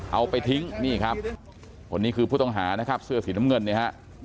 เอาไปทิ้งนี่ครับคนนี้คือผู้ต้องหานะครับเสื้อสีน้ำเงินเนี่ยฮะ